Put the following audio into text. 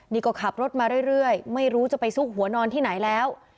นี่ก็ขับรถมาเรื่อยไม่รู้จะไปซุกหัวนอนที่ไหนแล้ว